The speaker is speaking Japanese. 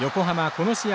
この試合